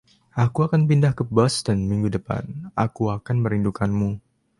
"Aku akan pindah ke Boston minggu depan." "Aku akan merindukanmu."